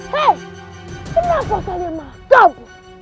hei kenapa kalian mahkam